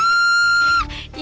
ya udah deh